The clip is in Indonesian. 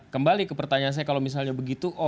kembali ke pertanyaan saya kalau misalnya begitu